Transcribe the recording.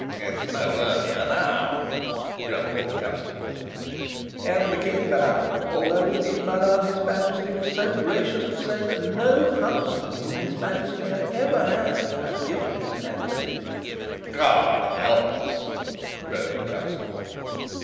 "It's no earlier now," grumbled the constable. "And the king, although indeed, madam, his majesty was so gracious as to say that no huntsman whom his majesty had ever had, had given his majesty " "God help us!" groaned the constable.